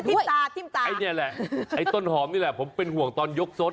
ทิ้มตาทิ้มตาก็อันนี้แหละต้นหอมผมเป็นหวังตอนยกซส